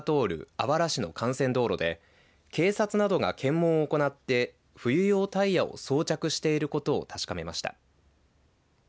あわら市の幹線道路で警察などが検問を行って冬用タイヤを装着していることを確かめました。